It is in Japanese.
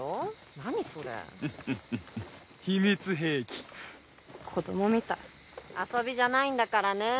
何それフフフフ秘密兵器子供みたい遊びじゃないんだからね